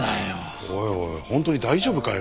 おいおいホントに大丈夫かよ？